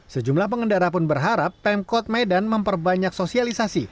sejumlah pengendara pun berharap pemkot medan memperbanyak sosialisasi